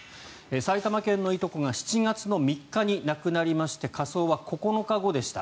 埼玉県のいとこが７月３日に亡くなりまして火葬は９日後でした。